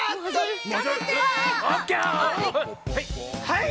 はい！